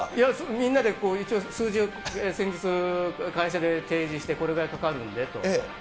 みんなで一応、数字を先日会社で提示して、これぐらいかかるんでと。